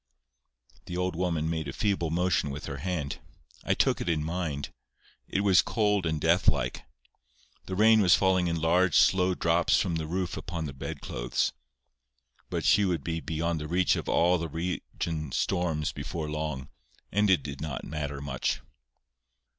The old woman made a feeble motion with her hand. I took it in mine. It was cold and deathlike. The rain was falling in large slow drops from the roof upon the bedclothes. But she would be beyond the reach of all the region storms before long, and it did not matter much.